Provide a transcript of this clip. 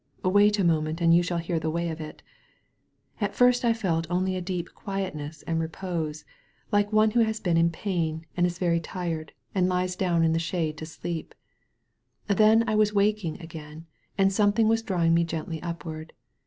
Wait a moment and you shall hear the way of it. At first I felt only a deep quietness and repose, Uke one who has been in pain 48 A SANCTUARY OF TREES and is very tired and lies down in the shade to sleep. Then I was waking again and something was drawing me gently upward.